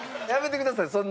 やめてください。